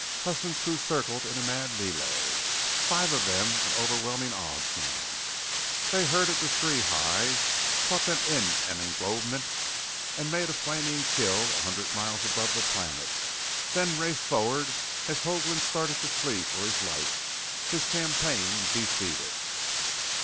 Huston's crew circled in a mad melee, five of them in overwhelming odds now. They herded the Three high, caught them in an englobement, and made a flaming kill a hundred miles above the planet, then raced forward as Hoagland started to flee for his life, his campaign defeated.